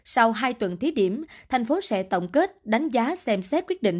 sau hai tuần thí điểm tp hcm sẽ tổng kết đánh giá xem xét quyết định